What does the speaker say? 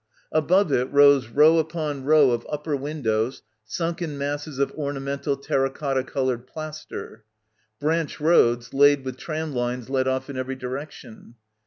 Above it rose row — 18 — BACKWATER upon row of upper windows sunk in masses of ornamental terra cotta coloured plaster. Branch roads, laid with tram lines led off in every direc tion.